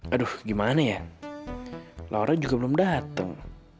aduh gimana ya laura juga belum datang